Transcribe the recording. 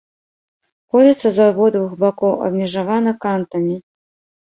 Кольца з абодвух бакоў абмежавана кантамі.